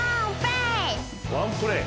ワンプレイ？